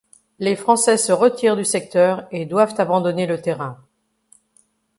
Les Français se retirent du secteur et doivent abandonner le terrain.